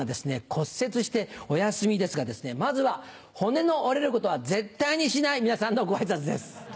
骨折してお休みですがまずは骨の折れることは絶対にしない皆さんのご挨拶です。